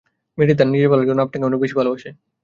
মেয়েটি তার নিজের ভালোর জন্য আপনাকে অনেক বেশি ভালোবাসে।